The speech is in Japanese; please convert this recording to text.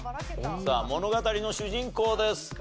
さあ物語の主人公です。